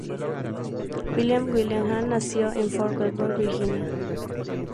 William Willingham nació en Fort Belvoir, Virginia.